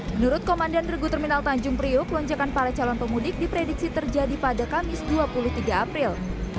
menurut komandan regu terminal tanjung priuk lonjakan para calon pemudik diprediksi terjadi pada kamis dua puluh tiga april